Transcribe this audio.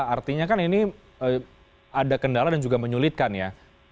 artinya kan ini ada kendala dan juga menyulitkan ya